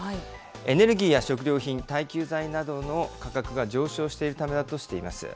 エネルギーや食料品、耐久財などの価格が上昇しているためだとしています。